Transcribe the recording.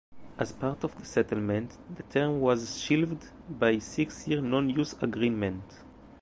As part of the settlement, the term was shelved by a six-year non-use agreement.